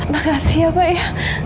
makasih ya pak ya